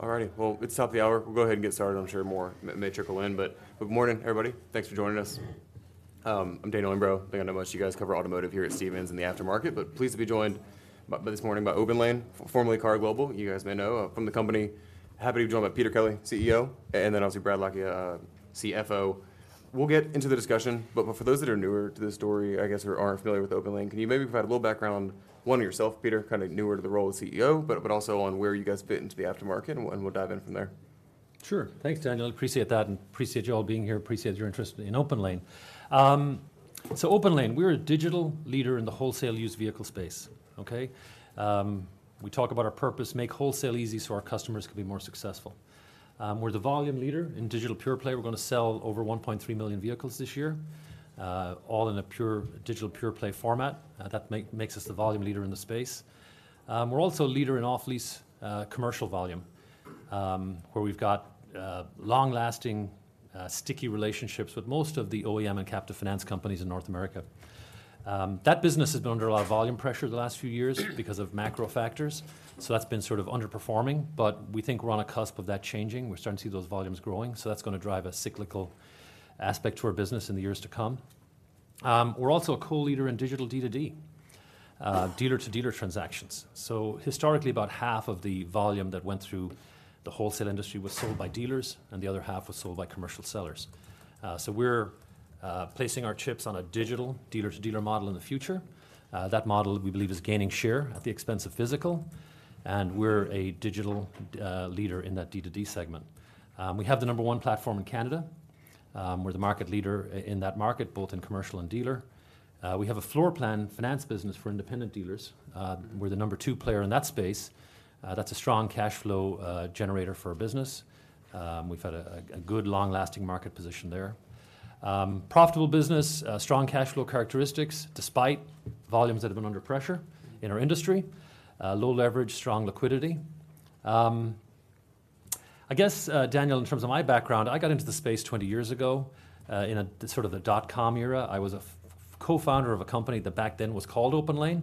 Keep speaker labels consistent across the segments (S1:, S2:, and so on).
S1: All right, well, it's top of the hour. We'll go ahead and get started. I'm sure more may trickle in, but good morning, everybody. Thanks for joining us. I'm Daniel Imbro. I know most of you guys cover automotive here at Stephens in the aftermarket, but pleased to be joined by this morning by OPENLANE, formerly KAR Global. You guys may know from the company. Happy to be joined by Peter Kelly, CEO, and then obviously Brad Lakhia, CFO. We'll get into the discussion, but for those that are newer to this story, I guess, or aren't familiar with OPENLANE, can you maybe provide a little background on, one, yourself, Peter, kinda newer to the role of CEO, but also on where you guys fit into the aftermarket, and we'll dive in from there.
S2: Sure. Thanks, Daniel. I appreciate that, and appreciate you all being here. Appreciate your interest in OPENLANE. So OPENLANE, we're a digital leader in the wholesale used vehicle space, okay? We talk about our purpose: make wholesale easy so our customers can be more successful. We're the volume leader in digital pure play. We're gonna sell over 1.3 million vehicles this year, all in a pure digital pure-play format. That makes us the volume leader in the space. We're also a leader in off-lease, commercial volume, where we've got long-lasting, sticky relationships with most of the OEM and captive finance companies in North America. That business has been under a lot of volume pressure the last few years because of macro factors, so that's been sort of underperforming, but we think we're on a cusp of that changing. We're starting to see those volumes growing, so that's gonna drive a cyclical aspect to our business in the years to come. We're also a co-leader in digital D2D, dealer-to-dealer transactions. So historically, about half of the volume that went through the wholesale industry was sold by dealers, and the other half was sold by commercial sellers. So we're placing our chips on a digital dealer-to-dealer model in the future. That model, we believe, is gaining share at the expense of physical, and we're a digital leader in that D2D segment. We have the number one platform in Canada. We're the market leader in that market, both in commercial and dealer. We have a floor plan finance business for independent dealers. We're the number two player in that space. That's a strong cash flow generator for our business. We've had a good, long-lasting market position there. Profitable business, strong cash flow characteristics, despite volumes that have been under pressure in our industry. Low leverage, strong liquidity. I guess, Daniel, in terms of my background, I got into the space 20 years ago, in sort of the dot-com era. I was a co-founder of a company that back then was called OpenLane,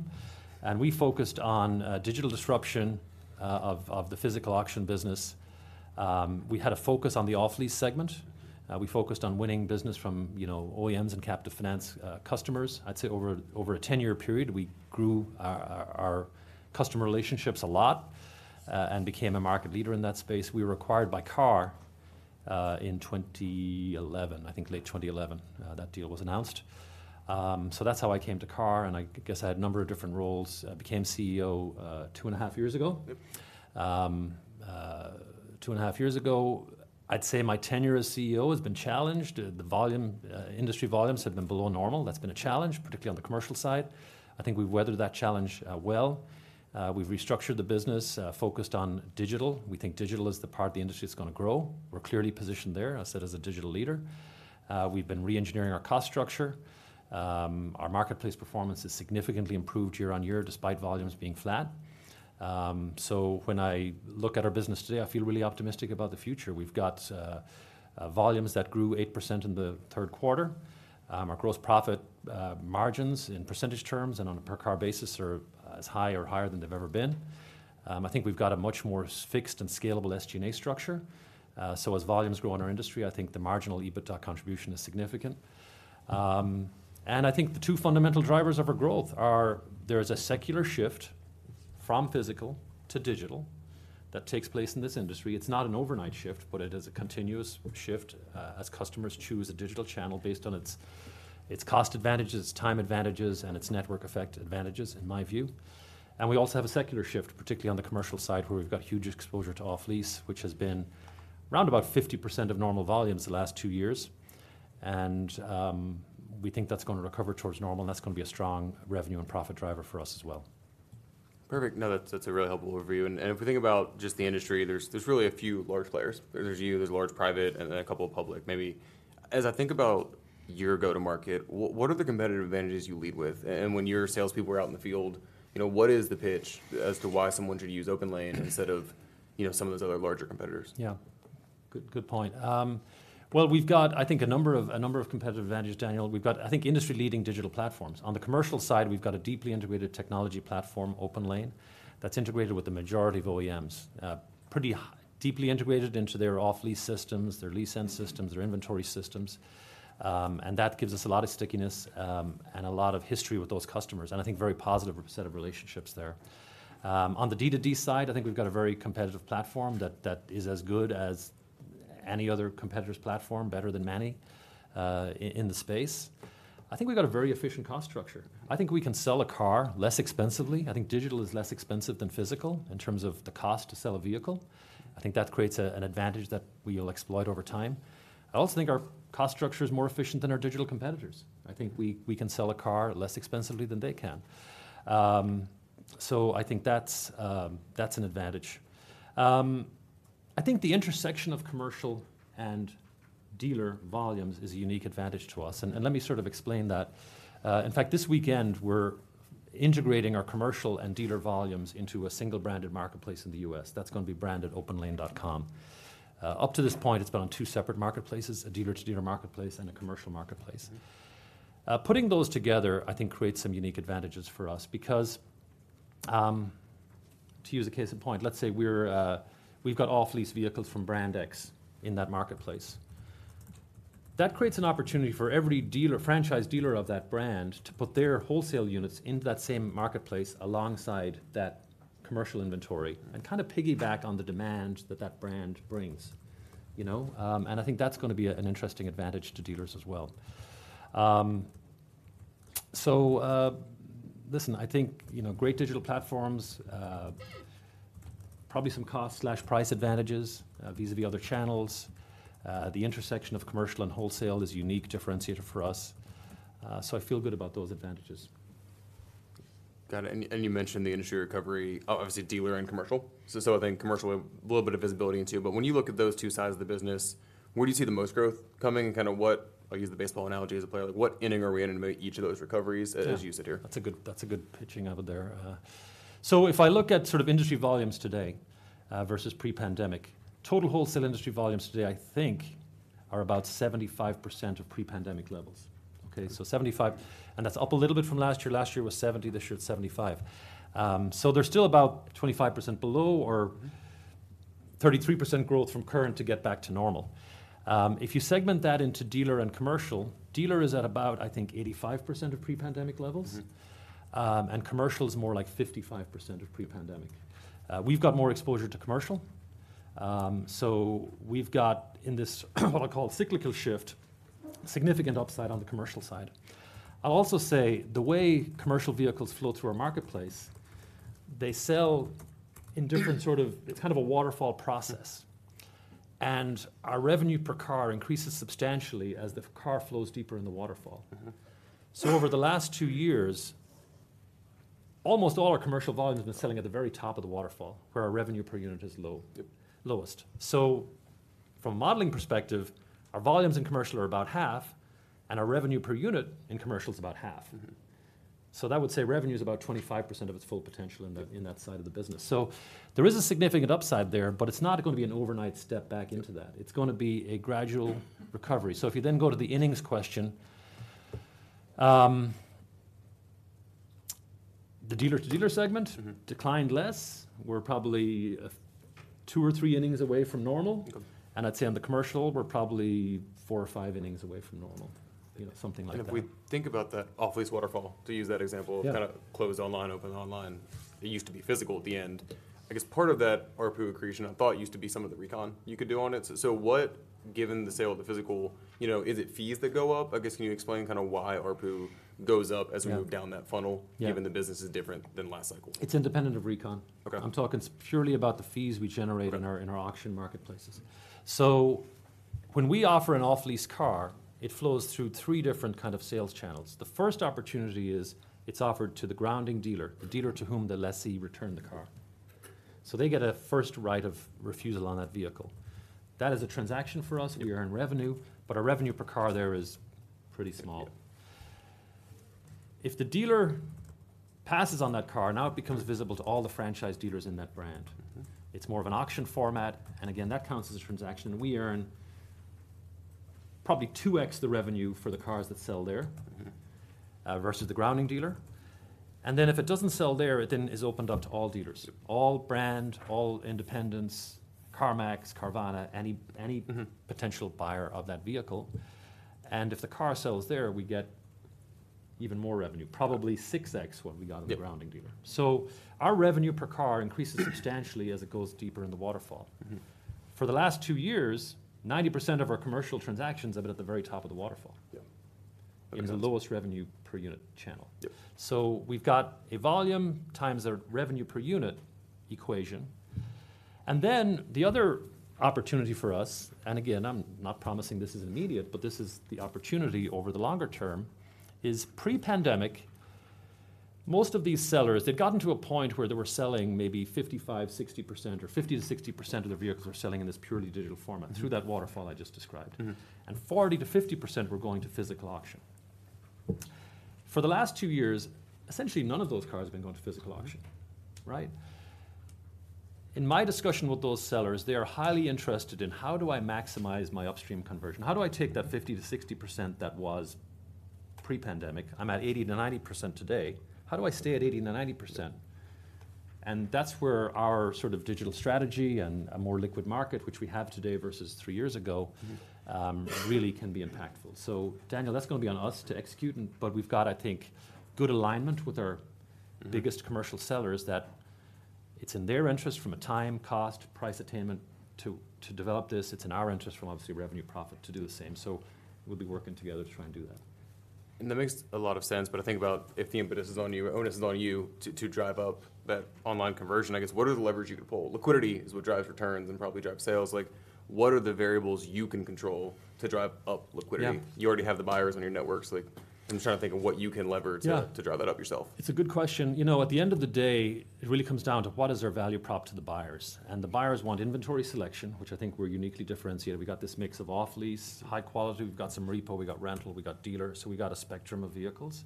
S2: and we focused on digital disruption of the physical auction business. We had a focus on the off-lease segment. We focused on winning business from, you know, OEMs and captive finance customers. I'd say over a 10-year period, we grew our customer relationships a lot, and became a market leader in that space. We were acquired by KAR in 2011. I think late 2011, that deal was announced. So that's how I came to KAR, and I guess I had a number of different roles. I became CEO 2.5 years ago.
S1: 2.5 years ago. I'd say my tenure as CEO has been challenged. The volume, industry volumes have been below normal. That's been a challenge, particularly on the commercial side. I think we've weathered that challenge, well. We've restructured the business, focused on digital. We think digital is the part of the industry that's gonna grow. We're clearly positioned there, I said, as a digital leader. We've been re-engineering our cost structure. Our marketplace performance has significantly improved year-over-year, despite volumes being flat. So when I look at our business today, I feel really optimistic about the future. We've got, volumes that grew 8% in the third quarter. Our gross profit, margins in percentage terms and on a per-car basis are as high or higher than they've ever been.
S2: I think we've got a much more fixed and scalable SG&A structure. So as volumes grow in our industry, I think the marginal EBITDA contribution is significant. And I think the two fundamental drivers of our growth are, there's a secular shift from physical to digital that takes place in this industry. It's not an overnight shift, but it is a continuous shift, as customers choose a digital channel based on its, its cost advantages, time advantages, and its network effect advantages, in my view. And we also have a secular shift, particularly on the commercial side, where we've got huge exposure to off-lease, which has been around about 50% of normal volumes the last two years. And we think that's gonna recover towards normal, and that's gonna be a strong revenue and profit driver for us as well.
S1: Perfect. No, that's a really helpful overview, and if we think about just the industry, there's really a few large players. There's you, there's large private, and then a couple of public. Maybe, as I think about your go-to-market, what are the competitive advantages you lead with? And when your salespeople are out in the field, you know, what is the pitch as to why someone should use OPENLANE instead of, you know, some of those other larger competitors?
S2: Yeah. Good, good point. Well, we've got, I think, a number of competitive advantages, Daniel. We've got, I think, industry-leading digital platforms. On the commercial side, we've got a deeply integrated technology platform, OPENLANE, that's integrated with the majority of OEMs. Pretty deeply integrated into their off-lease systems, their lease-end systems, their inventory systems, and that gives us a lot of stickiness, and a lot of history with those customers, and I think a very positive set of relationships there. On the D2D side, I think we've got a very competitive platform that is as good as any other competitor's platform, better than many, in the space. I think we've got a very efficient cost structure. I think we can sell a car less expensively. I think digital is less expensive than physical in terms of the cost to sell a vehicle. I think that creates an advantage that we will exploit over time. I also think our cost structure is more efficient than our digital competitors. I think we can sell a car less expensively than they can. So I think that's an advantage. I think the intersection of commercial and dealer volumes is a unique advantage to us, and let me sort of explain that. In fact, this weekend, we're integrating our commercial and dealer volumes into a single-branded marketplace in the U.S. That's gonna be branded openlane.com. Up to this point, it's been on two separate marketplaces: a dealer-to-dealer marketplace and a commercial marketplace. Putting those together, I think, creates some unique advantages for us because, to use a case in point, let's say we're, we've got off-lease vehicles from Brand X in that marketplace. That creates an opportunity for every dealer, franchise dealer of that brand, to put their wholesale units into that same marketplace alongside that commercial inventory and kind of piggyback on the demand that that brand brings, you know? And I think that's gonna be an interesting advantage to dealers as well. So, listen, I think, you know, great digital platforms, probably some cost/price advantages, vis-a-vis other channels. The intersection of commercial and wholesale is a unique differentiator for us. So I feel good about those advantages.
S1: Got it. And you mentioned the industry recovery, obviously, dealer and commercial. So I think commercial, a little bit of visibility into, but when you look at those two sides of the business, where do you see the most growth coming? Kind of what... I'll use the baseball analogy as a player, like, what inning are we in in each of those recoveries as you sit here?
S2: Yeah. That's a good pitching analog there. So if I look at sort of industry volumes today, versus pre-pandemic, total wholesale industry volumes today, I think are about 75% of pre-pandemic levels. Okay, so 75%, and that's up a little bit from last year. Last year was 70%, this year it's 75%. So they're still about 25% below or 33% growth from current to get back to normal. If you segment that into dealer and commercial, dealer is at about, I think, 85% of pre-pandemic levels. And commercial is more like 55% of pre-pandemic. We've got more exposure to commercial. So we've got, in this, what I call cyclical shift, significant upside on the commercial side. I'll also say, the way commercial vehicles flow through our marketplace, they sell in different sort of-- It's kind of a waterfall process. Our revenue per car increases substantially as the car flows deeper in the waterfall. Over the last two years, almost all our commercial volume has been selling at the very top of the waterfall, where our revenue per unit is low, lowest. So from a modeling perspective, our volumes in commercial are about half, and our revenue per unit in commercial is about half. That would say revenue is about 25% of its full potential in that in that side of the business. So there is a significant upside there, but it's not gonna be an overnight step back into that. It's gonna be a gradual recovery. So if you then go to the innings question, the dealer-to-dealer segment declined less. We're probably, two or three innings away from normal. I'd say on the commercial, we're probably four or five innings away from normal. You know, something like that.
S1: If we think about that off-lease waterfall, to use that example kind of closed online, open online, it used to be physical at the end. I guess part of that ARPU accretion, I thought, used to be some of the recon you could do on it. So, what, given the sale of the physical, you know, is it fees that go up? I guess, can you explain kind of why ARPU goes up as we move down that funnel given the business is different than last cycle?
S2: It's independent of recon. I'm talking purely about the fees we generate in our auction marketplaces. So when we offer an off-lease car, it flows through three different kind of sales channels. The first opportunity is, it's offered to the grounding dealer, the dealer to whom the lessee returned the car. So they get a first right of refusal on that vehicle. That is a transaction for us. We earn revenue, but our revenue per car there is pretty small. If the dealer passes on that car, now it becomes visible to all the franchise dealers in that brand. It's more of an auction format, and again, that counts as a transaction. We earn probably 2x the revenue for the cars that sell there versus the grounding dealer. And then if it doesn't sell there, it then is opened up to all dealers all brand, all independents, CarMax, Carvana, any potential buyer of that vehicle. If the car sells there, we get even more revenue, probably 6x what we got on the grounding dealer. So our revenue per car increases substantially as it goes deeper in the waterfall. For the last two years, 90% of our commercial transactions have been at the very top of the waterfall in the lowest revenue per unit channel. We've got a volume times our revenue per unit equation. And then the other opportunity for us, and again, I'm not promising this is immediate, but this is the opportunity over the longer term, is pre-pandemic, most of these sellers, they've gotten to a point where they were selling maybe 55%-60%, or 50%-60% of their vehicles were selling in this purely digital format through that waterfall I just described. 40%-50% were going to physical auction. For the last two years, essentially none of those cars have been going to physical auction. Right? In my discussion with those sellers, they are highly interested in: How do I maximize my upstream conversion? How do I take that 50%-60% that was pre-pandemic, I'm at 80%-90% today, how do I stay at 80%-90%? That's where our sort of digital strategy and a more liquid market, which we have today versus three years ago really can be impactful. So Daniel, that's gonna be on us to execute and... But we've got, I think, good alignment with our biggest commercial sellers, that it's in their interest from a time, cost, price attainment to, to develop this. It's in our interest from, obviously, revenue profit, to do the same. So we'll be working together to try and do that.
S1: That makes a lot of sense, but I think about if the impetus is on you, or onus is on you to drive up that online conversion, I guess, what are the levers you can pull? Liquidity is what drives returns and probably drives sales. Like, what are the variables you can control to drive up liquidity? You already have the buyers on your networks. Like, I'm trying to think of what you can lever to drive that up yourself.
S2: Yeah. It's a good question. You know, at the end of the day, it really comes down to: What is our value prop to the buyers? And the buyers want inventory selection, which I think we're uniquely differentiated. We've got this mix of off-lease, high quality, we've got some repo, we got rental, we got dealer, so we've got a spectrum of vehicles.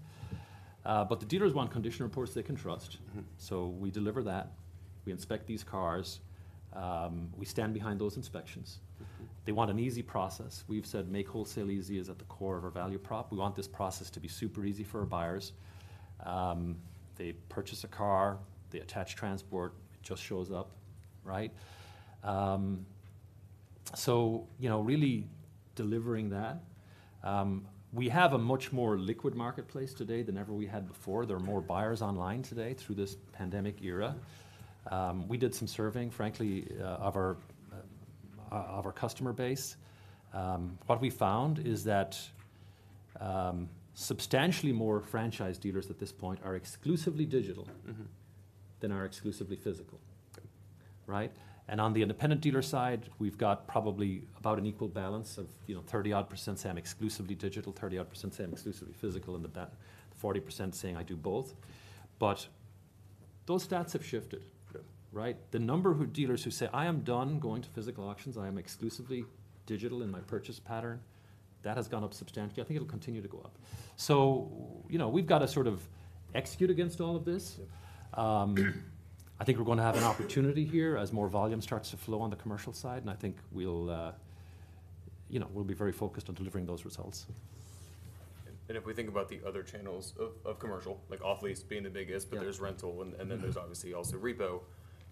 S2: But the dealers want condition reports they can trust. So we deliver that. We inspect these cars. We stand behind those inspections. They want an easy process. We've said, "Make wholesale easy," is at the core of our value prop. We want this process to be super easy for our buyers. They purchase a car, they attach transport, it just shows up, right? So you know, really delivering that. We have a much more liquid marketplace today than ever we had before. There are more buyers online today through this pandemic era. We did some surveying, frankly, of our customer base. What we found is that substantially more franchise dealers at this point are exclusively digital than are exclusively physical.
S1: Okay.
S2: Right? And on the independent dealer side, we've got probably about an equal balance of, you know, 30-odd% say I'm exclusively digital, 30-odd% say I'm exclusively physical, and about 40% saying I do both. But those stats have shifted. Right? The number dealers who say, "I am done going to physical auctions, I am exclusively digital in my purchase pattern," that has gone up substantially. I think it'll continue to go up. So, you know, we've got to sort of execute against all of this. I think we're going to have an opportunity here as more volume starts to flow on the commercial side, and I think we'll, you know, we'll be very focused on delivering those results.
S1: And if we think about the other channels of commercial, like, off-lease being the biggest but there's Rental, and then there's obviously also Repo.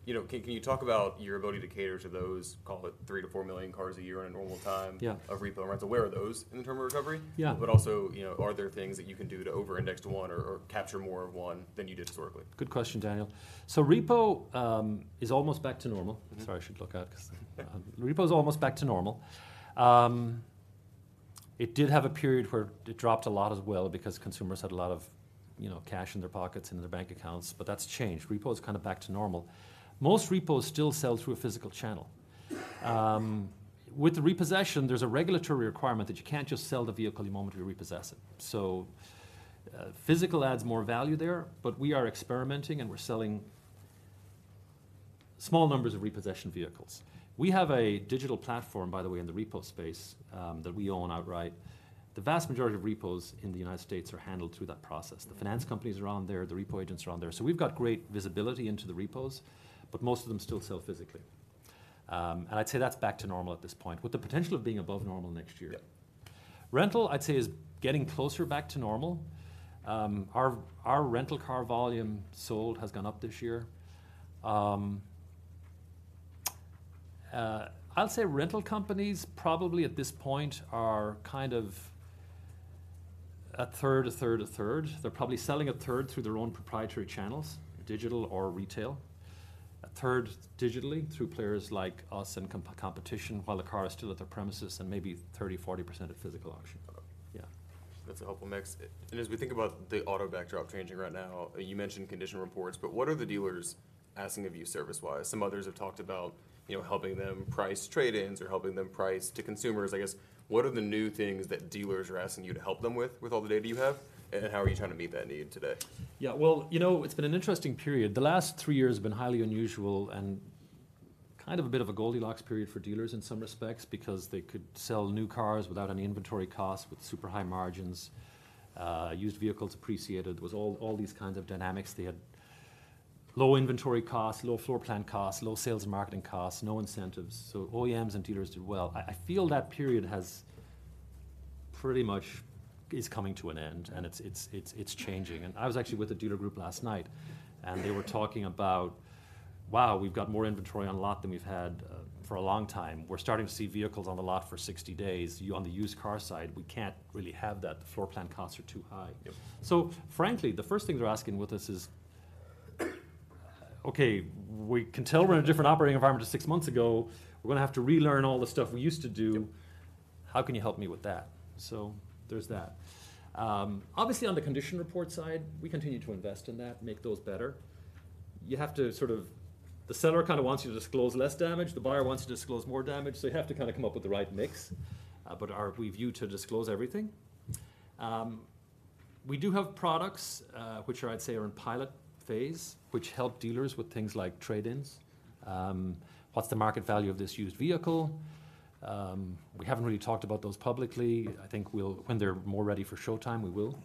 S1: You know, can you talk about your ability to cater to those, call it 3 million-4 million cars a year in a normal time of Repo and Rental. Where are those in terms of recovery? But also, you know, are there things that you can do to over-index to one or, or capture more of one than you did historically?
S2: Good question, Daniel. So Repo is almost back to normal. Sorry, I should look out 'cause Repo is almost back to normal. It did have a period where it dropped a lot as well because consumers had a lot of, you know, cash in their pockets and in their bank accounts, but that's changed. Repo is kind of back to normal. Most repos still sell through a physical channel. With the repossession, there's a regulatory requirement that you can't just sell the vehicle the moment you repossess it. So, physical adds more value there, but we are experimenting, and we're selling small numbers of repossession vehicles. We have a digital platform, by the way, in the repo space, that we own outright. The vast majority of repos in the United States are handled through that process. The finance companies are on there, the repo agents are on there, so we've got great visibility into the repos, but most of them still sell physically. And I'd say that's back to normal at this point, with the potential of being above normal next year. Rental, I'd say, is getting closer back to normal. Our Rental car volume sold has gone up this year. I'll say Rental companies, probably at this point, are kind of a third, a third, a third. They're probably selling a third through their own proprietary channels, digital or retail. A third digitally through players like us and competition, while the car is still at their premises and maybe 30%-40% at physical auction.
S1: Okay.
S2: Yeah.
S1: That's helpful. Next, as we think about the auto backdrop changing right now, you mentioned condition reports, but what are the dealers asking of you service-wise? Some others have talked about, you know, helping them price trade-ins or helping them price to consumers. I guess, what are the new things that dealers are asking you to help them with, with all the data you have, and how are you trying to meet that need today?
S2: Yeah. Well, you know, it's been an interesting period. The last three years have been highly unusual and kind of a bit of a Goldilocks period for dealers in some respects because they could sell new cars without any inventory costs, with super high margins. Used vehicles appreciated. There was all, all these kinds of dynamics. They had low inventory costs, low floor plan costs, low sales and marketing costs, no incentives, so OEMs and dealers did well. I, I feel that period has pretty much is coming to an end, and it's changing. And I was actually with a dealer group last night, and they were talking about: "Wow, we've got more inventory on lot than we've had, for a long time. We're starting to see vehicles on the lot for 60 days. On the used car side, we can't really have that. The floor plan costs are too high. So frankly, the first thing they're asking with us is: "Okay, we can tell we're in a different operating environment to six months ago. We're gonna have to relearn all the stuff we used to do. How can you help me with that?" So there's that. Obviously, on the condition report side, we continue to invest in that, make those better. You have to sort of-- The seller kind of wants you to disclose less damage, the buyer wants to disclose more damage, so you have to kind of come up with the right mix. But we view to disclose everything. We do have products, which I'd say are in pilot phase, which help dealers with things like trade-ins. What's the market value of this used vehicle? We haven't really talked about those publicly. I think we'll, when they're more ready for showtime, we will.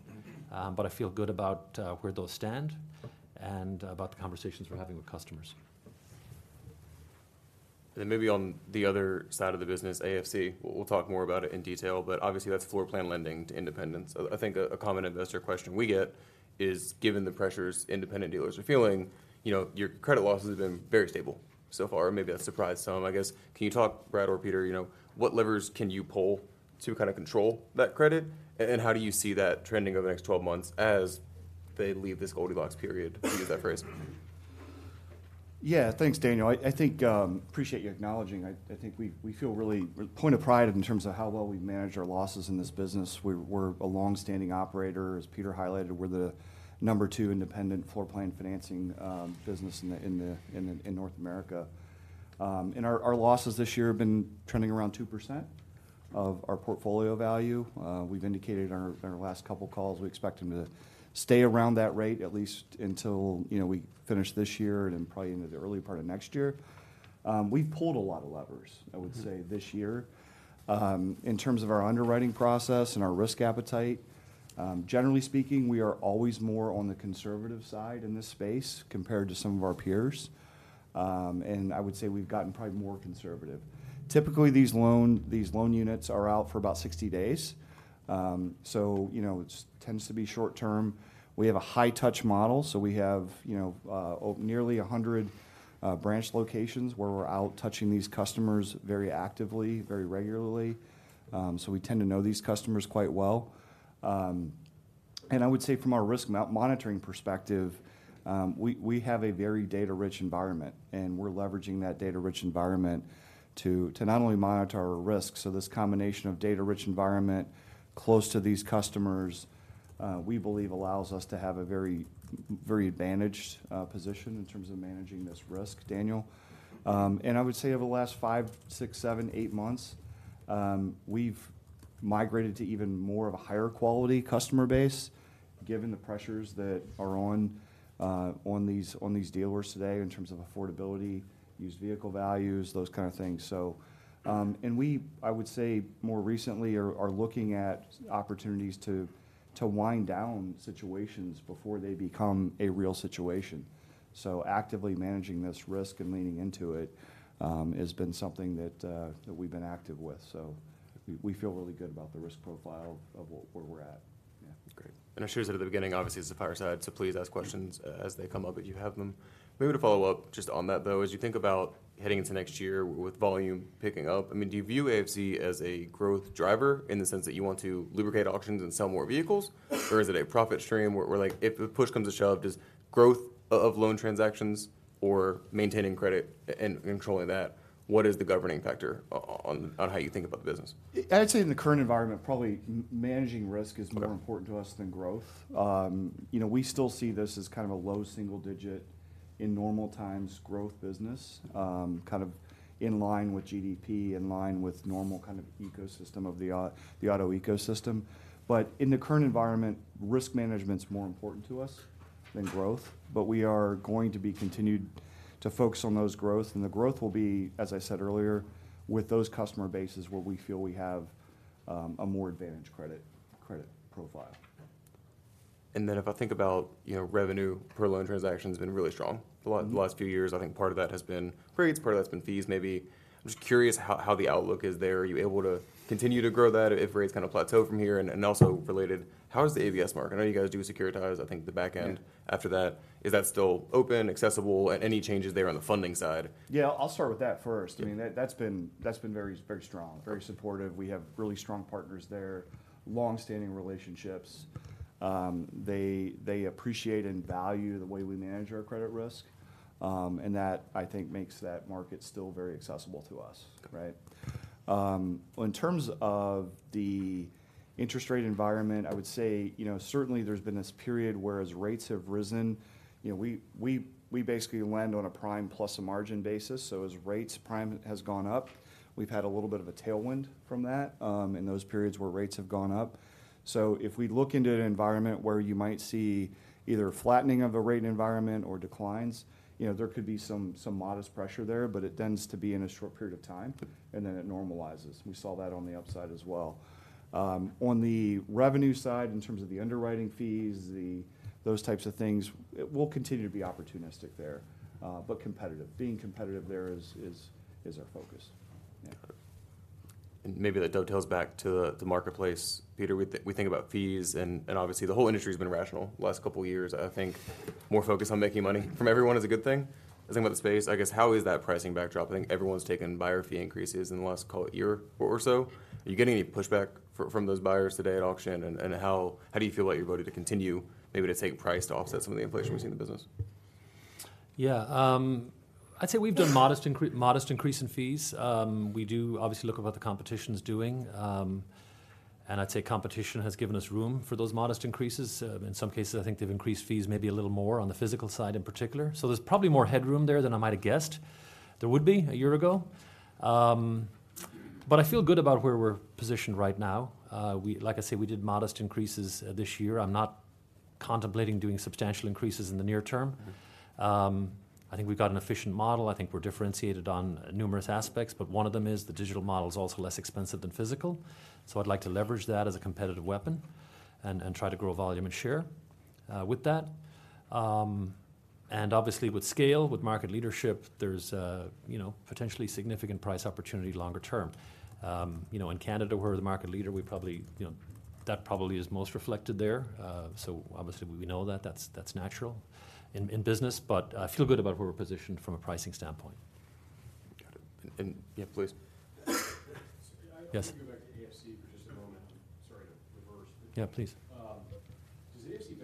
S2: But I feel good about where those stand and about the conversations we're having with customers.
S1: And then maybe on the other side of the business, AFC, we'll talk more about it in detail, but obviously that's floor plan lending to independents. I think a common investor question we get is, given the pressures independent dealers are feeling, you know, your credit losses have been very stable so far. Maybe that's surprised some, I guess. Can you talk, Brad or Peter, you know, what levers can you pull to kind of control that credit? And how do you see that trending over the next 12 months as they leave this Goldilocks period, to use that phrase?
S3: Yeah. Thanks, Daniel. I think. I appreciate you acknowledging. I think we feel really a point of pride in terms of how well we've managed our losses in this business. We're a long-standing operator. As Peter highlighted, we're the number two independent floor plan financing business in North America. And our losses this year have been trending around 2% of our portfolio value. We've indicated in our last couple calls, we expect them to stay around that rate at least until, you know, we finish this year and then probably into the early part of next year. We've pulled a lot of levers. I would say, this year, in terms of our underwriting process and our risk appetite. Generally speaking, we are always more on the conservative side in this space compared to some of our peers. And I would say we've gotten probably more conservative. Typically, these loan, these loan units are out for about 60 days. So, you know, it tends to be short term. We have a high-touch model, so we have, you know, nearly 100 branch locations where we're out touching these customers very actively, very regularly. So we tend to know these customers quite well. And I would say from a risk monitoring perspective, we have a very data-rich environment, and we're leveraging that data-rich environment to not only monitor our risk, so this combination of data-rich environment, close to these customers, we believe allows us to have a very, very advantaged position in terms of managing this risk, Daniel. And I would say over the last five, six, seven, eight months, we've migrated to even more of a higher quality customer base, given the pressures that are on, on these dealers today in terms of affordability, used vehicle values, those kind of things. So, and we, I would say, more recently are looking at opportunities to wind down situations before they become a real situation. Actively managing this risk and leaning into it has been something that we've been active with. We feel really good about the risk profile of where we're at. Yeah.
S1: Great. And I shared this at the beginning, obviously, this is a fireside, so please ask questions as they come up, if you have them. Maybe to follow up just on that, though, as you think about heading into next year with volume picking up, I mean, do you view AFC as a growth driver in the sense that you want to lubricate auctions and sell more vehicles? Or is it a profit stream where, like, if push comes to shove, does growth of loan transactions or maintaining credit and controlling that, what is the governing factor on how you think about the business?
S3: I'd say in the current environment, probably managing risk is more important to us than growth. You know, we still see this as kind of a low-single digit in normal times growth business, kind of in line with GDP, in line with normal kind of ecosystem of the auto ecosystem. But in the current environment, risk management's more important to us than growth. But we are going to be continued to focus on those growth, and the growth will be, as I said earlier, with those customer bases where we feel we have a more advantaged credit profile.
S1: Then if I think about, you know, revenue per loan transaction has been really strong the last few years. I think part of that has been rates, part of that's been fees, maybe. I'm just curious how the outlook is there. Are you able to continue to grow that if rates kind of plateau from here? And also related, how is the ABS market? I know you guys do securitize, I think, the back end after that. Is that still open, accessible, and any changes there on the funding side?
S3: Yeah, I'll start with that first. I mean, that's been very, very strong. Very supportive. We have really strong partners there, long-standing relationships. They appreciate and value the way we manage our credit risk. And that, I think, makes that market still very accessible to us.
S1: Got it.
S3: Right? Well, in terms of the interest rate environment, I would say, you know, certainly there's been this period where as rates have risen, you know, we basically lend on a prime plus a margin basis. So as rates, prime has gone up, we've had a little bit of a tailwind from that, in those periods where rates have gone up. So if we look into an environment where you might see either a flattening of the rate environment or declines, you know, there could be some modest pressure there, but it tends to be in a short period of time, and then it normalizes. We saw that on the upside as well. On the revenue side, in terms of the underwriting fees, those types of things, we'll continue to be opportunistic there, but competitive. Being competitive there is our focus. Yeah.
S1: Maybe that dovetails back to the marketplace. Peter, we think about fees, and obviously, the whole industry's been irrational the last couple of years. I think more focus on making money from everyone is a good thing. I think about the space, I guess, how is that pricing backdrop? I think everyone's taken buyer fee increases in the last, call it, year or so. Are you getting any pushback from those buyers today at auction? And how do you feel about your ability to continue maybe to take price to offset some of the inflation we've seen in the business?
S2: Yeah, I'd say we've done modest increase in fees. We do obviously look at what the competition is doing, and I'd say competition has given us room for those modest increases. In some cases, I think they've increased fees maybe a little more on the physical side in particular. So there's probably more headroom there than I might have guessed there would be a year ago. But I feel good about where we're positioned right now. We, like I said, we did modest increases, this year. I'm not contemplating doing substantial increases in the near term. I think we've got an efficient model. I think we're differentiated on numerous aspects, but one of them is the digital model is also less expensive than physical. So I'd like to leverage that as a competitive weapon and try to grow volume and share with that. And obviously, with scale, with market leadership, there's you know, potentially significant price opportunity longer term. You know, in Canada, we're the market leader. We probably, you know, that probably is most reflected there. So obviously, we know that, that's natural in business, but I feel good about where we're positioned from a pricing standpoint.
S1: Got it. And, yeah, please.
S3: Yes.
S4: Can I go back to AFC for just a moment? Sorry to reverse.
S3: Yeah, please.
S4: Does AFC benefit, Imagine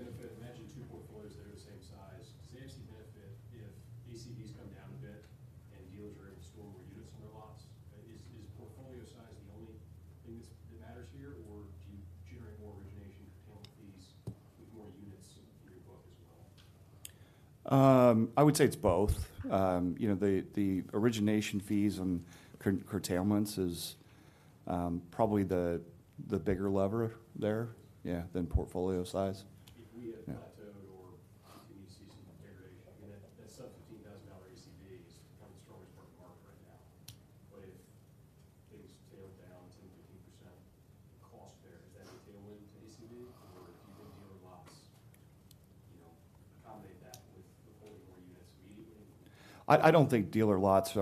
S4: plateaued or if you see some degradation, I mean, that, that substitutes things tail down to 15% cost there. Is that a tailwind to ACV, or do you think dealer lots, you know, accommodate that with holding more units immediately?
S3: I don't think dealer lots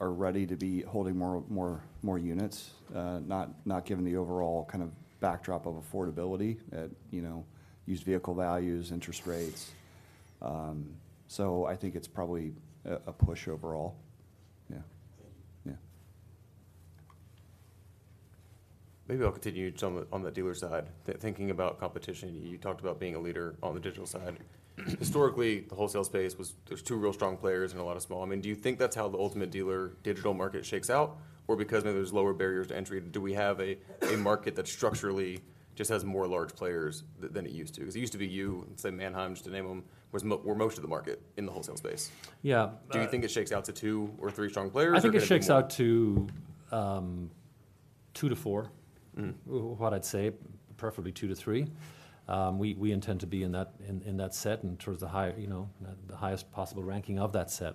S3: are ready to be holding more units, not given the overall kind of backdrop of affordability at, you know, used vehicle values, interest rates. So I think it's probably a push overall. Yeah.
S4: Thank you.
S3: Yeah.
S1: Maybe I'll continue some on the dealer side. Thinking about competition, you talked about being a leader on the digital side. Historically, the wholesale space was-- There was two real strong players and a lot of small. I mean, do you think that's how the ultimate dealer digital market shakes out? Or because now there's lower barriers to entry, do we have a market that structurally just has more large players than it used to? 'Cause it used to be you and, say, Manheim, just to name them, were most of the market in the wholesale space.
S2: Yeah.
S1: Do you think it shakes out to two or three strong players, or...
S2: I think it shakes out to two to four. What I'd say, preferably two to three. We intend to be in that set, and towards the high, you know, the highest possible ranking of that set.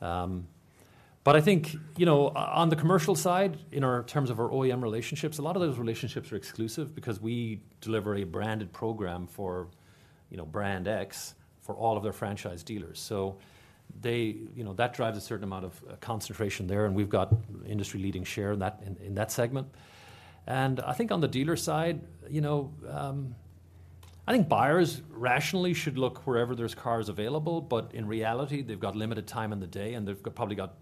S2: But I think, you know, on the commercial side, in terms of our OEM relationships, a lot of those relationships are exclusive because we deliver a branded program for, you know, Brand X for all of their franchise dealers. So they. You know, that drives a certain amount of concentration there, and we've got industry-leading share in that segment. I think on the dealer side, you know, I think buyers rationally should look wherever there's cars available, but in reality, they've got limited time in the day, and they've probably got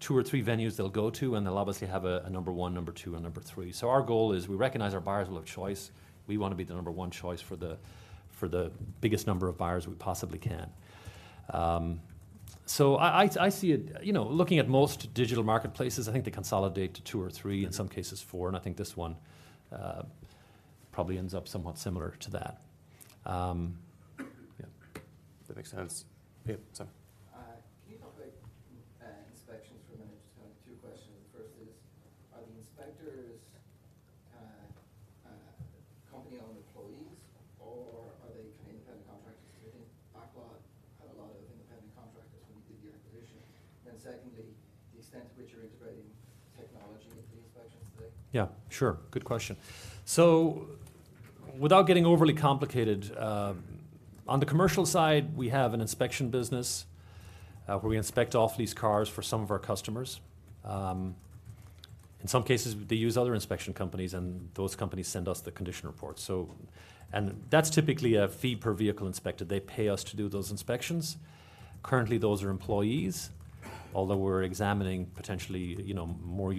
S2: two or three venues they'll go to, and they'll obviously have a number one, number two, and number three. So our goal is, we recognize our buyers will have choice. We want to be the number one choice for the, for the biggest number of buyers we possibly can. So I see it. You know, looking at most digital marketplaces, I think they consolidate to two or three, in some cases four, and I think this one probably ends up somewhat similar to that.
S1: That makes sense. Yeah.
S5: Can you talk about inspections for a minute? Just have two questions. The first is, are the inspectors company-owned employees or are they kind of independent contractors? I think Backlot had a lot of independent contractors when you did the acquisition. Then secondly, the extent to which you're integrating technology into the inspections today.
S2: Yeah, sure. Good question. So without getting overly complicated, on the commercial side, we have an inspection business, where we inspect off-lease cars for some of our customers. In some cases, they use other inspection companies, and those companies send us the Condition Report. So and that's typically a fee per vehicle inspected. They pay us to do those inspections. Currently, those are employees, although we're examining potentially, you know, more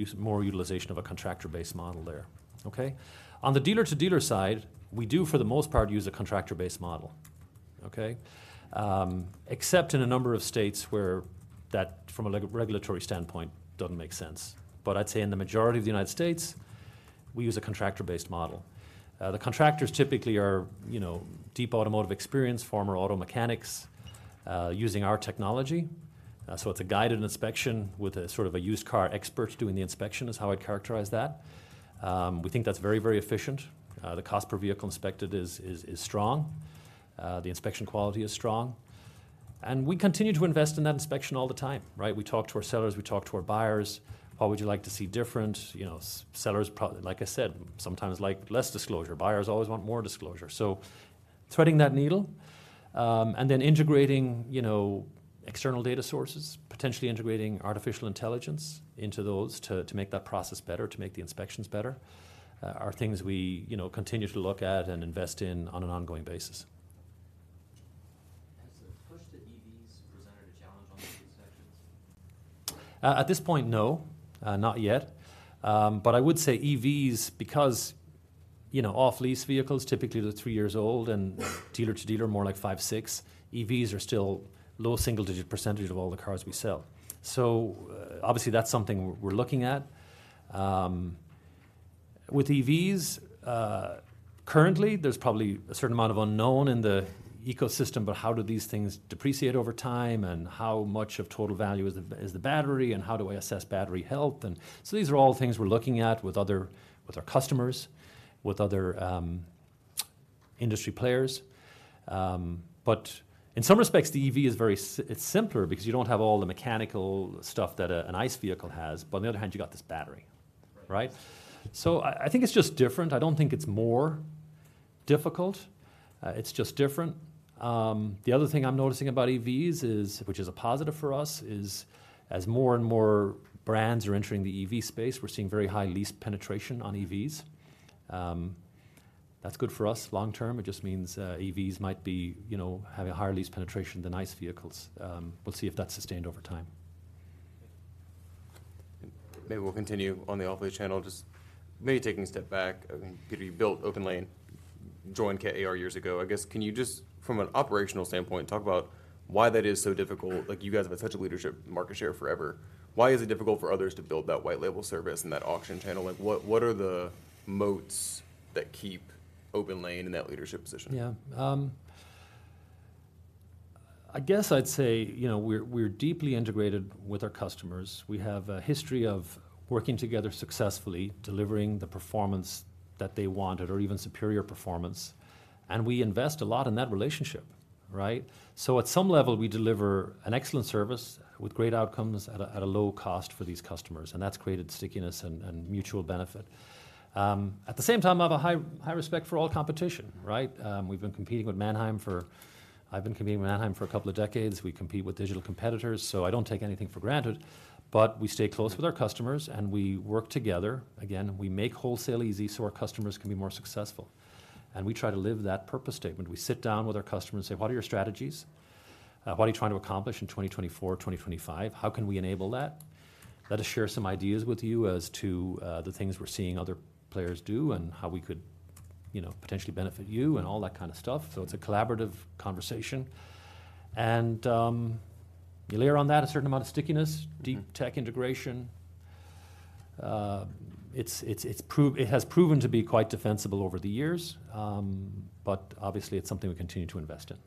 S2: utilization of a contractor-based model there. Okay? On the dealer-to-dealer side, we do, for the most part, use a contractor-based model, okay? Except in a number of states where that, from a regulatory standpoint, doesn't make sense. But I'd say in the majority of the United States, we use a contractor-based model. The contractors typically are, you know, deep automotive experience, former auto mechanics, using our technology. So it's a guided inspection with a sort of a used car expert doing the inspection, is how I'd characterize that. We think that's very, very efficient. The cost per vehicle inspected is strong, the inspection quality is strong, and we continue to invest in that inspection all the time, right? We talk to our sellers, we talk to our buyers. "What would you like to see different?" You know, sellers like I said, sometimes like less disclosure. Buyers always want more disclosure. So threading that needle, and then integrating, you know, external data sources, potentially integrating artificial intelligence into those to make that process better, to make the inspections better, are things we, you know, continue to look at and invest in on an ongoing basis.
S5: Has the push to EVs presented a challenge on the inspections?
S2: At this point, no. Not yet. But I would say EVs, because, you know, off-lease vehicles, typically they're three years old, and dealer to dealer, more like five, six. EVs are still low-single-digit percentage of all the cars we sell. So obviously, that's something we're looking at. With EVs, currently, there's probably a certain amount of unknown in the ecosystem, about how do these things depreciate over time, and how much of total value is the battery, and how do I assess battery health? And so these are all things we're looking at with other with our customers, with other industry players. But in some respects, the EV is very simple because you don't have all the mechanical stuff that a, an ICE vehicle has, but on the other hand, you've got this battery.
S5: Right.
S2: Right? So I think it's just different. I don't think it's more difficult, it's just different. The other thing I'm noticing about EVs is, which is a positive for us, is as more and more brands are entering the EV space, we're seeing very high lease penetration on EVs. That's good for us long term. It just means, EVs might be, you know, having a higher lease penetration than ICE vehicles. We'll see if that's sustained over time.
S1: Maybe we'll continue on the off-lease channel. Just maybe taking a step back, I mean, you built OPENLANE, joined KAR years ago. I guess, can you just, from an operational standpoint, talk about why that is so difficult? Like, you guys have had such a leadership market share forever. Why is it difficult for others to build that white label service and that auction channel? Like, what, what are the moats that keep OPENLANE in that leadership position?
S2: Yeah. I guess I'd say, you know, we're deeply integrated with our customers. We have a history of working together successfully, delivering the performance that they wanted or even superior performance, and we invest a lot in that relationship, right? So at some level, we deliver an excellent service with great outcomes at a low cost for these customers, and that's created stickiness and mutual benefit. At the same time, I have high respect for all competition, right? We've been competing with Manheim for-- I've been competing with Manheim for a couple of decades. We compete with digital competitors, so I don't take anything for granted. But we stay close with our customers, and we work together. Again, we make wholesale easy so our customers can be more successful, and we try to live that purpose statement. We sit down with our customers and say: "What are your strategies? What are you trying to accomplish in 2024, 2025? How can we enable that? Let us share some ideas with you as to the things we're seeing other players do, and how we could, you know, potentially benefit you," and all that kind of stuff. So it's a collaborative conversation. You layer on that a certain amount of stickiness deep tech integration. It's proven to be quite defensible over the years, but obviously it's something we continue to invest in.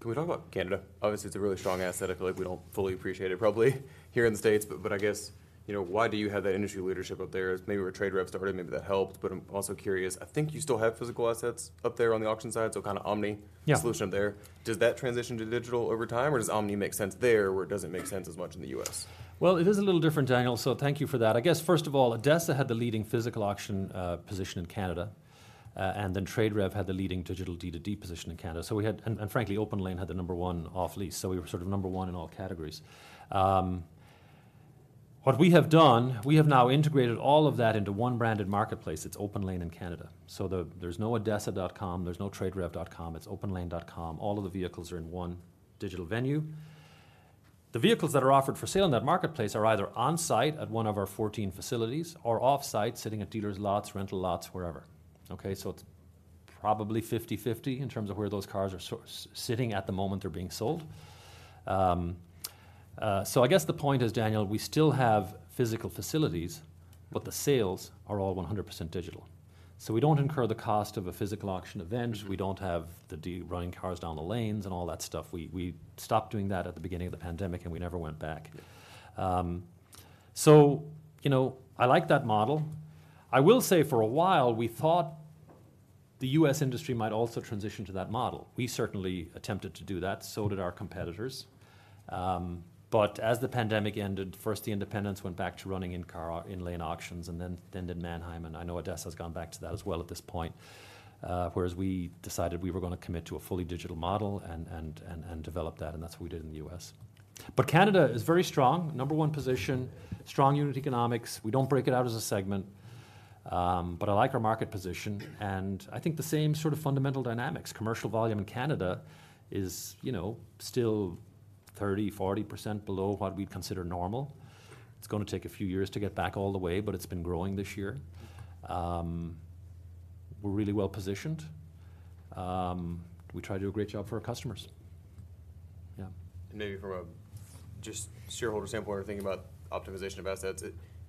S1: Can we talk about Canada? Obviously, it's a really strong asset. I feel like we don't fully appreciate it probably here in the States. But, I guess, you know, why do you have that industry leadership up there? Maybe where TradeRev started, maybe that helped, but I'm also curious. I think you still have physical assets up there on the auction side, so kind of omni solution up there. Does that transition to digital over time, or does omni make sense there where it doesn't make sense as much in the U.S.?
S2: Well, it is a little different, Daniel, so thank you for that. I guess, first of all, ADESA had the leading physical auction position in Canada, and then TradeRev had the leading digital D2D position in Canada. So we had and frankly, OPENLANE had the number one off-lease, so we were sort of number one in all categories. What we have done, we have now integrated all of that into one branded marketplace. It's OPENLANE in Canada, so there's no adesa.com, there's no traderev.com. It's openlane.com. All of the vehicles are in one digital venue. The vehicles that are offered for sale in that marketplace are either on-site at one of our 14 facilities or off-site, sitting at dealers' lots, Rental lots, wherever, okay? So it's probably 50/50 in terms of where those cars are sitting at the moment they're being sold. So I guess the point is, Daniel, we still have physical facilities, but the sales are all 100% digital. So we don't incur the cost of a physical auction event. We don't have the running cars down the lanes and all that stuff. We stopped doing that at the beginning of the pandemic, and we never went back. So you know, I like that model. I will say, for a while we thought the U.S. industry might also transition to that model. We certainly attempted to do that, so did our competitors. But as the pandemic ended, first the independents went back to running in-car, in-lane auctions, and then did Manheim, and I know ADESA's gone back to that as well at this point. Whereas we decided we were going to commit to a fully digital model and develop that, and that's what we did in the U.S. But Canada is very strong. Number one position, strong unit economics. We don't break it out as a segment, but I like our market position, and I think the same sort of fundamental dynamics. Commercial volume in Canada is, you know, still 30%-40% below what we'd consider normal. It's going to take a few years to get back all the way, but it's been growing this year. We're really well positioned. We try to do a great job for our customers. Yeah.
S1: And maybe from a just shareholder standpoint or thinking about optimization of assets,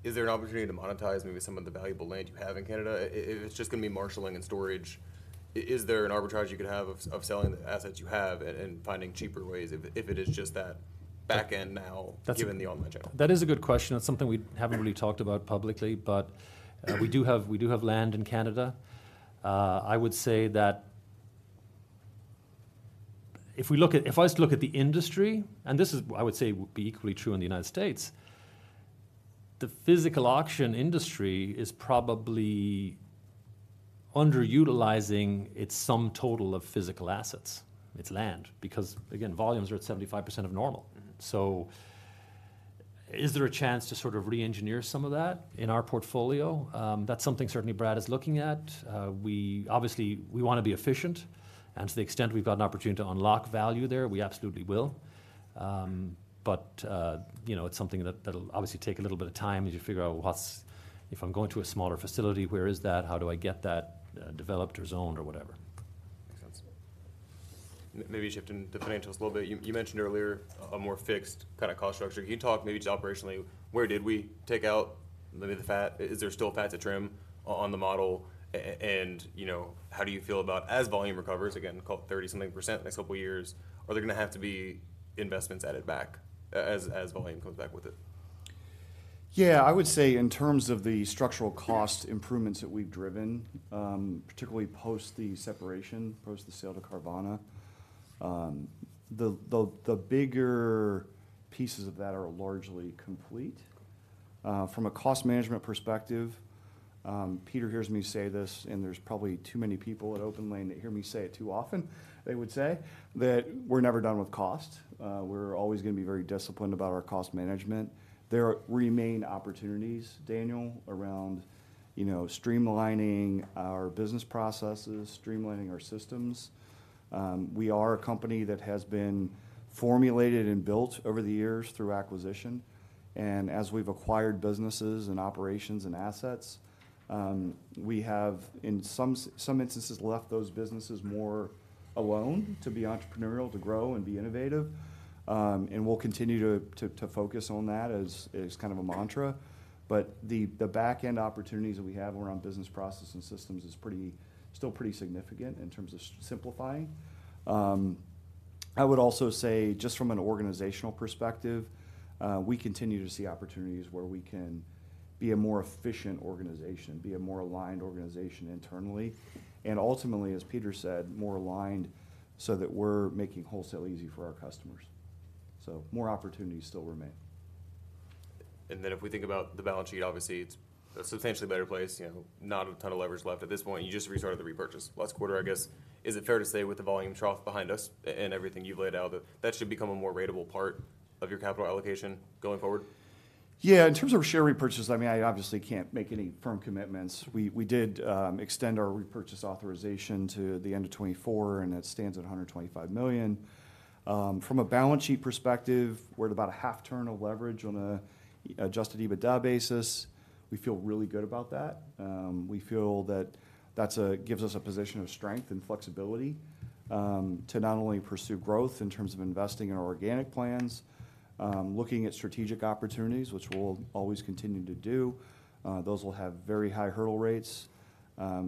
S1: is there an opportunity to monetize maybe some of the valuable land you have in Canada? If it's just going to be marshaling and storage, is there an arbitrage you could have of selling the assets you have and finding cheaper ways if it is just that back end now given the online channel?
S2: That is a good question. That's something we haven't really talked about publicly, but we do have, we do have land in Canada. I would say that if I was to look at the industry, and this is, I would say, would be equally true in the United States, the physical auction industry is probably underutilizing its sum total of physical assets, its land. Because, again, volumes are at 75% of normal. Is there a chance to sort of re-engineer some of that in our portfolio? That's something certainly Brad is looking at. Obviously, we want to be efficient, and to the extent we've got an opportunity to unlock value there, we absolutely will. But, you know, it's something that, that'll obviously take a little bit of time as you figure out what's. If I'm going to a smaller facility, where is that? How do I get that developed or zoned or whatever?
S1: Makes sense. Maybe shifting to financials a little bit. You mentioned earlier a more fixed kind of cost structure. Can you talk maybe just operationally, where did we take out maybe the fat? Is there still fat to trim on the model? And, you know, how do you feel about as volume recovers, again, call it 30% something next couple years, are there gonna have to be investments added back as volume comes back with it?
S3: Yeah, I would say in terms of the structural cost improvements that we've driven, particularly post the separation, post the sale to Carvana, the bigger pieces of that are largely complete. From a cost management perspective, Peter hears me say this, and there's probably too many people at OPENLANE that hear me say it too often, they would say, that we're never done with cost. We're always gonna be very disciplined about our cost management. There remain opportunities, Daniel, around, you know, streamlining our business processes, streamlining our systems. We are a company that has been formulated and built over the years through acquisition, and as we've acquired businesses and operations and assets, we have, in some instances, left those businesses more alone to be entrepreneurial, to grow, and be innovative. And we'll continue to focus on that as kind of a mantra. But the back-end opportunities that we have around business process and systems is still pretty significant in terms of simplifying. I would also say, just from an organizational perspective, we continue to see opportunities where we can be a more efficient organization, be a more aligned organization internally, and ultimately, as Peter said, more aligned so that we're making wholesale easy for our customers. So more opportunities still remain.
S1: Then if we think about the balance sheet, obviously it's a substantially better place, you know, not a ton of leverage left at this point. You just restarted the repurchase last quarter, I guess. Is it fair to say, with the volume trough behind us and everything you've laid out, that that should become a more ratable part of your capital allocation going forward?
S3: Yeah, in terms of share repurchase, I mean, I obviously can't make any firm commitments. We did extend our repurchase authorization to the end of 2024, and it stands at $125 million. From a balance sheet perspective, we're at about a half turn of leverage on a adjusted EBITDA basis. We feel really good about that. We feel that that's gives us a position of strength and flexibility, to not only pursue growth in terms of investing in our organic plans, looking at strategic opportunities, which we'll always continue to do. Those will have very high hurdle rates.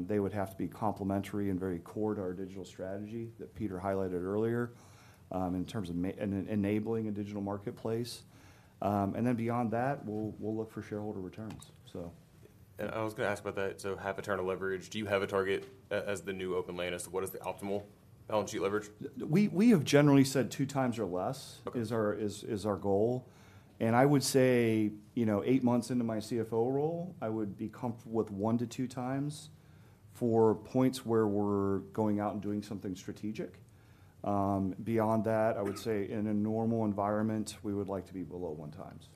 S3: They would have to be complementary and very core to our digital strategy that Peter highlighted earlier, in terms of enabling a digital marketplace. And then beyond that, we'll look for shareholder returns.
S1: I was gonna ask about that. So half a turn of leverage, do you have a target as the new OPENLANE as to what is the optimal balance sheet leverage?
S3: We have generally said 2x or less is our goal. And I would say, you know, 8 months into my CFO role, I would be comfortable with 1x-2x for points where we're going out and doing something strategic. Beyond that, I would say in a normal environment, we would like to be below 1x.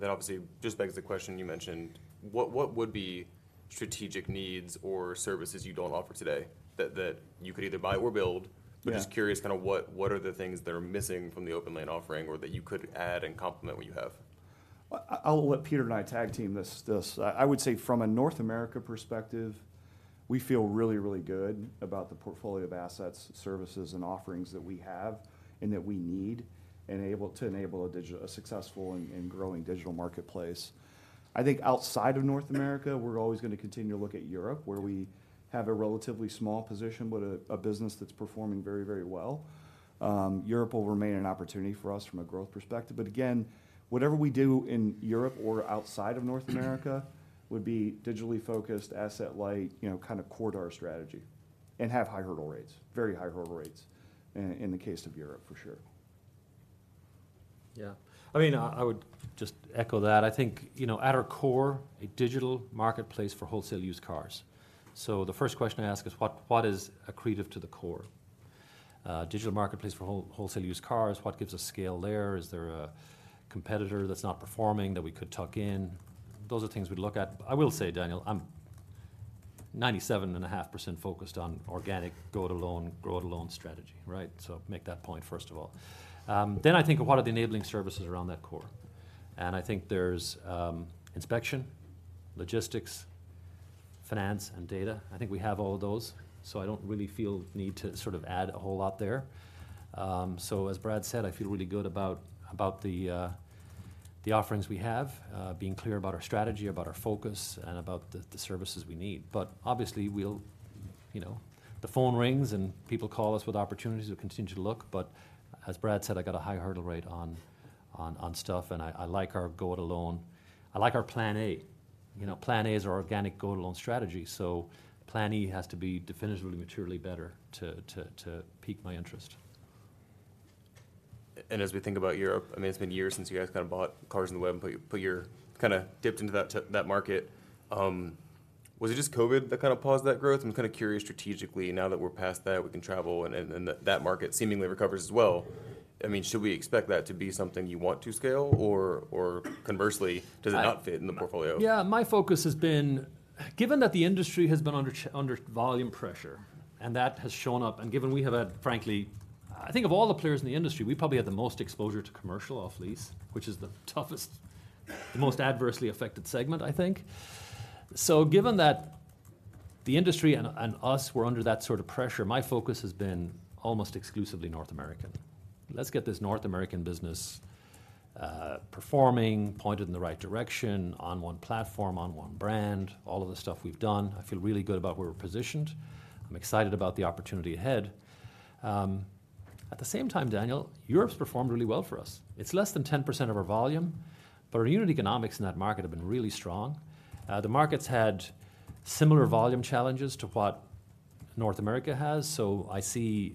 S1: That obviously just begs the question you mentioned, what, what would be strategic needs or services you don't offer today that, that you could either buy or build? But just curious kind of what, what are the things that are missing from the OPENLANE offering or that you could add and complement what you have?
S3: Well, I will let Peter and I tag team this. I would say from a North America perspective, we feel really, really good about the portfolio of assets, services, and offerings that we have and that we need to enable a successful and growing digital marketplace. I think outside of North America, we're always gonna continue to look at Europe, where we have a relatively small position, but a business that's performing very, very well. Europe will remain an opportunity for us from a growth perspective, but again, whatever we do in Europe or outside of North America would be digitally focused, asset light, you know, kind of core to our strategy, and have high hurdle rates, very high hurdle rates, in the case of Europe, for sure.
S2: Yeah. I mean, I, I would just echo that. I think, you know, at our core, a digital marketplace for wholesale used cars. So the first question I ask is, what, what is accretive to the core? Digital marketplace for wholesale used cars, what gives us scale there? Is there a competitor that's not performing that we could tuck in? Those are things we'd look at. I will say, Daniel, I'm 97.5% focused on organic, go-it-alone, grow-it-alone strategy, right? So make that point, first of all. Then I think, what are the enabling services around that core? And I think there's inspection, logistics, finance, and data. I think we have all of those, so I don't really feel the need to sort of add a whole lot there. So as Brad said, I feel really good about the offerings we have, being clear about our strategy, about our focus, and about the services we need. But obviously, we'll, you know, the phone rings, and people call us with opportunities. We'll continue to look, but as Brad said, I got a high hurdle rate on stuff, and I like our go-it-alone. I like our plan A. You know, plan A is our organic go-it-alone strategy, so plan E has to be definitively, materially better to pique my interest.
S1: As we think about Europe, I mean, it's been years since you guys kind of bought CarsOnTheWeb and put your kind of dipped into that market. Was it just COVID that kind of paused that growth? I'm kind of curious strategically, now that we're past that, we can travel, and that market seemingly recovers as well, I mean, should we expect that to be something you want to scale, or conversely does it not fit in the portfolio?
S2: Yeah, my focus has been, given that the industry has been under volume pressure, and that has shown up, and given we have had, frankly, I think of all the players in the industry, we probably had the most exposure to commercial off-lease, which is the toughest, the most adversely affected segment, I think. So given that the industry and us were under that sort of pressure, my focus has been almost exclusively North American. Let's get this North American business performing, pointed in the right direction, on one platform, on one brand, all of the stuff we've done. I feel really good about where we're positioned. I'm excited about the opportunity ahead. At the same time, Daniel, Europe's performed really well for us. It's less than 10% of our volume, but our unit economics in that market have been really strong. The market's had similar volume challenges to what North America has, so I see,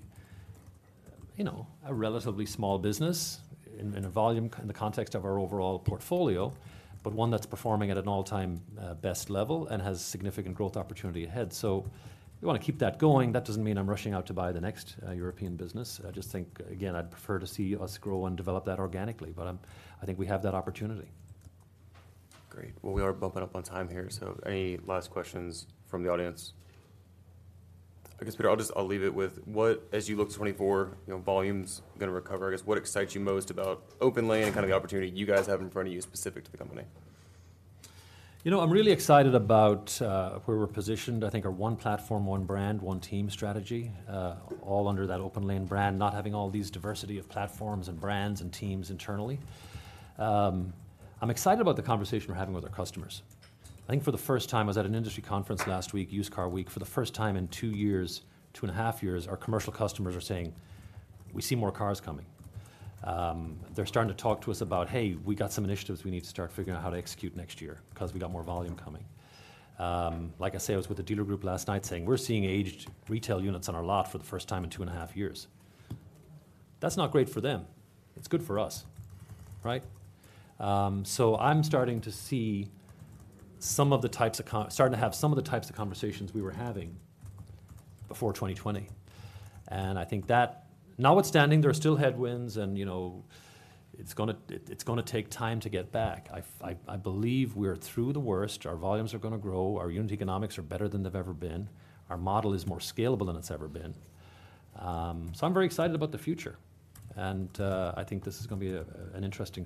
S2: you know, a relatively small business in volume, in the context of our overall portfolio, but one that's performing at an all-time best level and has significant growth opportunity ahead. So we wanna keep that going. That doesn't mean I'm rushing out to buy the next European business. I just think, again, I'd prefer to see us grow and develop that organically, but I think we have that opportunity.
S1: Great. Well, we are bumping up on time here, so any last questions from the audience? I guess, Peter, I'll just, I'll leave it with, what-- As you look 2024, you know, volume's gonna recover, I guess, what excites you most about OPENLANE and kind of the opportunity you guys have in front of you specific to the company?
S2: You know, I'm really excited about where we're positioned. I think our one platform, one brand, one team strategy, all under that OPENLANE brand, not having all these diversity of platforms and brands and teams internally. I'm excited about the conversation we're having with our customers. I think for the first time, I was at an industry conference last week, Used Car Week, for the first time in two years, 2.5 years, our commercial customers are saying, "We see more cars coming." They're starting to talk to us about, "Hey, we got some initiatives we need to start figuring out how to execute next year, because we got more volume coming." Like I say, I was with a dealer group last night saying, "We're seeing aged retail units on our lot for the first time in 2.5 years." That's not great for them. It's good for us, right? So I'm starting to see some of the types of conversations we were having before 2020. And I think that notwithstanding, there are still headwinds, and, you know, it's gonna take time to get back. I believe we're through the worst. Our volumes are gonna grow, our unit economics are better than they've ever been, our model is more scalable than it's ever been. So I'm very excited about the future, and I think this is gonna be an interesting...